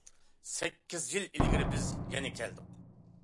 سەككىز يىل ئىلگىرى، بىز يەنە كەلدۇق.